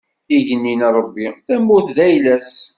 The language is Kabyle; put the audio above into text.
Igenni n Ṛebbi, tamurt d ayla-s.